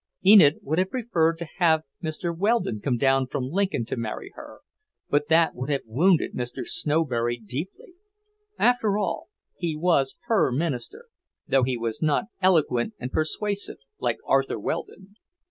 Enid would have preferred to have Mr. Weldon come down from Lincoln to marry her, but that would have wounded Mr. Snowberry deeply. After all, he was her minister, though he was not eloquent and persuasive like Arthur Weldon.